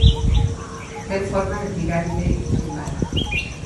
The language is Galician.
Ten forma de pirámide tumbada.